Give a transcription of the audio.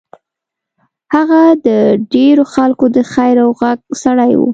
هغه د ډېرو خلکو د خېر او غږ سړی و.